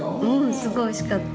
すごいおいしかった。